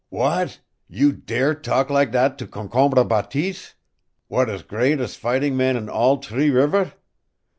"What! You dare talk lak that to Concombre Bateese, w'at is great'st fightin' man on all T'ree River?